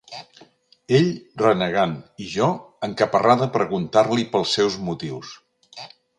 Ell renegant i jo encaparrada a preguntar-li pels seus motius.